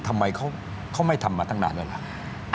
ทำไมเขาไม่ทำมาตั้งนานแล้วล่ะ